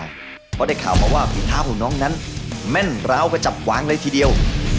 เพราะได้ข่าวมาว่าฝีเท้าของน้องนั้นแม่นร้าวกระจับกวางเลยทีเดียว